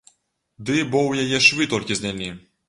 Ды бо ў яе швы толькі знялі!